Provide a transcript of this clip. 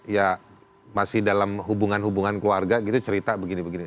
ya masih dalam hubungan hubungan keluarga gitu cerita begini begini